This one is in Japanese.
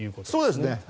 そうですね。